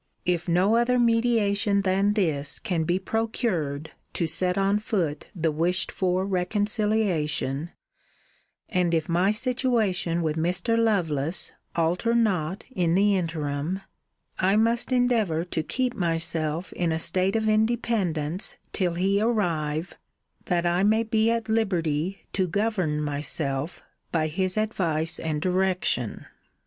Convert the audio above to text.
If no other mediation than this can be procured to set on foot the wished for reconciliation, and if my situation with Mr. Lovelace alter not in the interim, I must endeavour to keep myself in a state of independence till he arrive, that I may be at liberty to govern myself by his advice and direction.